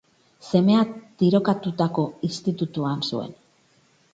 Semea tirokatutako institutuan zuen.